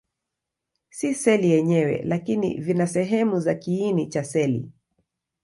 Si seli yenyewe, lakini vina sehemu za kiini cha seli.